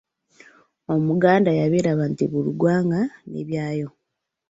Omuganda yabiraba nti, “Buli ggwanga n’ebyalyo”.